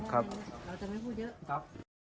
เราจะไม่พูดเยอะ